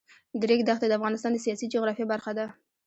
د ریګ دښتې د افغانستان د سیاسي جغرافیه برخه ده.